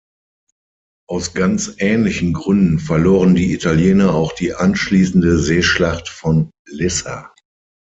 Aus ganz ähnlichen Gründen verloren die Italiener auch die anschließende Seeschlacht von Lissa.